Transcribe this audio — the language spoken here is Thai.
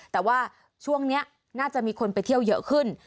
แต่ว่าช่วงนี้น่าจะมีคนไปเที่ยวเยอะขึ้น